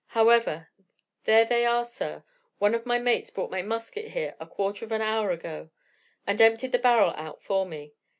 However, there they are, sir. One of my mates brought my musket here a quarter of an hour ago, and emptied the barrel out for me.